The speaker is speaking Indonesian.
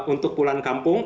untuk pulang kampung